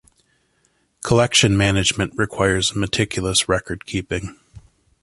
Collection management requires meticulous record keeping.